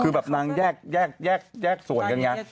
คือแบบนางแยกส่วนกันไง